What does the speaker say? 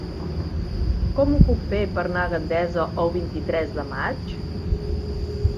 Com ho puc fer per anar a Gandesa el vint-i-tres de maig?